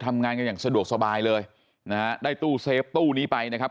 ทำงานกันอย่างสะดวกสบายเลยนะฮะได้ตู้เซฟตู้นี้ไปนะครับ